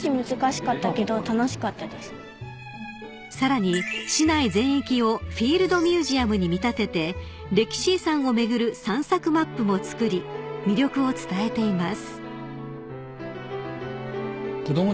［さらに市内全域をフィールドミュージアムに見立てて歴史遺産を巡る散策マップも作り魅力を伝えています］